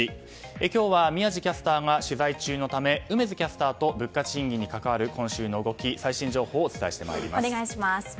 今日は、宮司キャスターが取材中のため梅津キャスターと物価、賃金に関わる今週の動き最新情報をお伝えしてまいります。